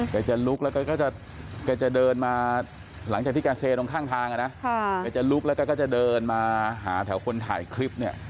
แกจะลุกแล้วก็แกจะเดินมาหลังจากที่แกเซตรงข้างทางอ่ะนะแกจะลุกแล้วก็จะเดินมาหาแถวคนถ่ายคลิปเนี่ย